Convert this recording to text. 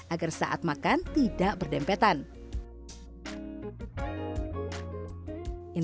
agar saat makan tidak berdempetan